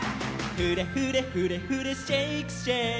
「フレフレフレフレシェイクシェイク」